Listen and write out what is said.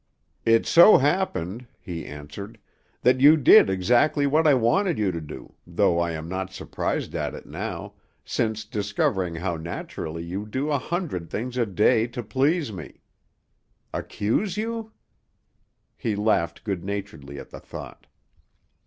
"It so happened," he answered, "that you did exactly what I wanted you to do, though I am not surprised at it now, since discovering how naturally you do a hundred things a day to please me. Accuse you?" He laughed good naturedly at the thought.